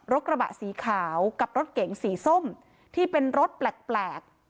กระบะสีขาวกับรถเก๋งสีส้มที่เป็นรถแปลก